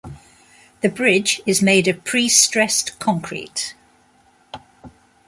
The bridge is made of prestressed concrete.